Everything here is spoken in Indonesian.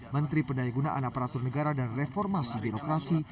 menteri pendayagunaan aparatur negara dan reformasi birokrasi